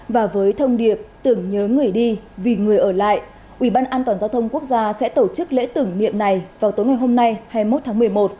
và với thông điệp tưởng nhớ người đi vì người ở lại ubndgq sẽ tổ chức lễ tưởng niệm này vào tối ngày hôm nay hai mươi một tháng một mươi một